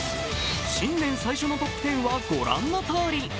新年最初のトップ１０は御覧のとおり。